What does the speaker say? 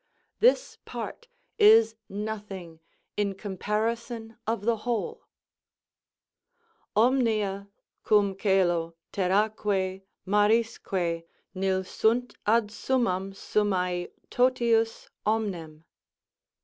This part is nothing in comparison of the whole: Omnia cum colo, terràque, manque, Nil sunt ad summam summal totius omnem.